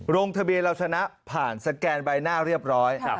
ลงทะเบียนเราชนะผ่านสแกนใบหน้าเรียบร้อย